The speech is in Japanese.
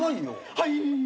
はい。